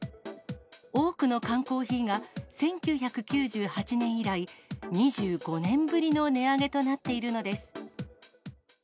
多くの缶コーヒーが１９９８年以来、２５年ぶりの値上げとなっているのです。